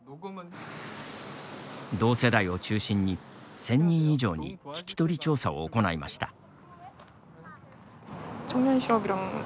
同世代を中心に１０００人以上に聞き取り調査を行いました。